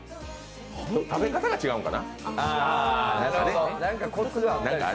食べ方が違うんかな？